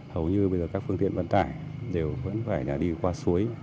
hầu như bây giờ các phương tiện vận tải đều vẫn phải là đi qua suối